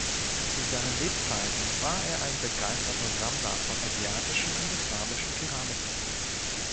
Zu seinen Lebzeiten war er ein begeisterter Sammler von asiatischen und islamischen Keramiken.